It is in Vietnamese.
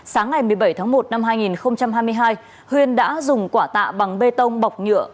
sáng ngày một mươi bảy tháng một năm hai nghìn hai mươi hai huyên đã dùng quả tạ bằng bê tông bọc nhựa